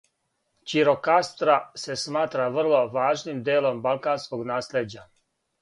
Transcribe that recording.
Ђирокастра се сматра врло важним делом балканског наслеђа.